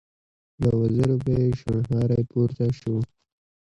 له وزرو به يې شڼهاری پورته شو.